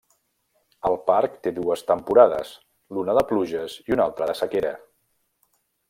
El parc té dues temporades, l'una de pluges i una altra de sequera.